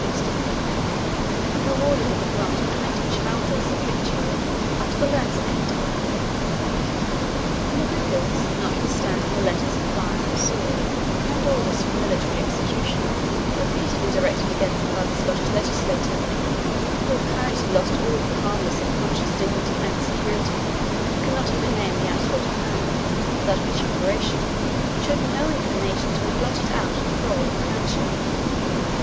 16, and rewarded with a grant of twenty chalders of victual out of the lands of Kintire. The MacGregors, notwithstanding the letters of fire and sword, and orders for military execution repeatedly directed against them by the Scottish legislature, who apparently lost all the calmness of conscious dignity and security, and could not even name the outlawed clan without vituperation, showed no inclination to be blotted out of the roll of clanship.